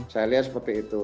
saya lihat seperti itu